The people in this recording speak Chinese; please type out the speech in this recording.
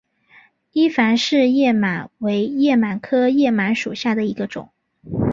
伊凡氏叶螨为叶螨科叶螨属下的一个种。